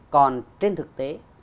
còn trên thực tế